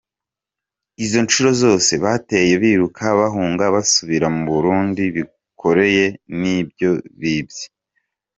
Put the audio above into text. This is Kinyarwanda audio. Izo ncuro zose bateye, biruka bahunga basubira mu Burundi bikoreye n’ ibyo bibye.